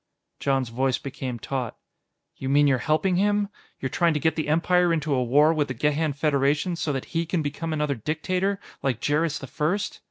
Jon's voice became taut. "You mean you're helping him? You're trying to get the Empire into a war with the Gehan Federation so that he can become another dictator, like Jerris the First?"